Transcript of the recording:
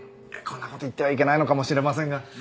こんなことを言ってはいけないのかもしれませんが。